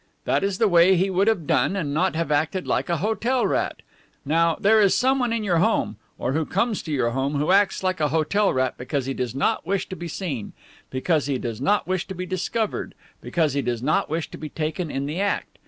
That is the way he would have done, and not have acted like a hotel rat! Now, there is someone in your home (or who comes to your home) who acts like a hotel rat because he does not wish to be seen, because he does not wish to be discovered, because he does not wish to be taken in the act.